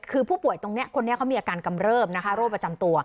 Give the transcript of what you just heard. คือผู้ป่วยตรงนี้คนนี้เขามีอาการกำเริบนะคะโรคประจำตัว